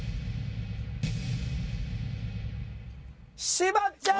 柴っちゃん！